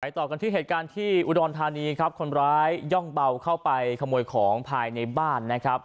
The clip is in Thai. ต่อกันที่เหตุการณ์ที่อุดรธานีครับคนร้ายย่องเบาเข้าไปขโมยของภายในบ้านนะครับ